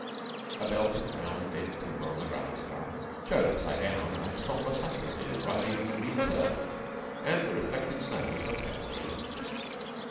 A belt of brown dead timber on a gravel scar, showed, upside down, like sombre cypresses rising from green turf and the reflected snows were pale green.